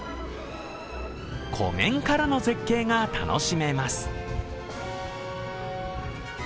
湖面からの絶景が楽しめます。